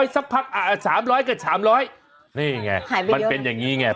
สักพัก๓๐๐กับ๓๐๐นี่ไงมันเป็นอย่างนี้ไง